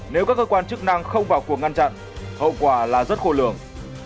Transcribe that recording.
nếu các cơ quan chức năng không vào cuộc ngăn chặn hậu quả là rất khô lường